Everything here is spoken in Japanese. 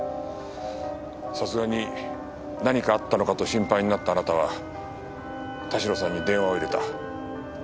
さすがに何かあったのかと心配になったあなたは田代さんに電話を入れた。